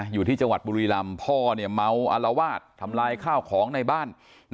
อยู่ที่จังหวัดบุรีรำพ่อเมาอลวาดทำลายข้าวของในบ้าน